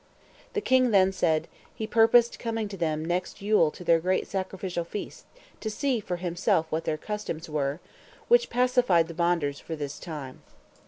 The king then said, "He purposed coming to them next Yule to their great sacrificial feast, to see for himself what their customs were," which pacified the Bonders for this time.